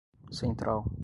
central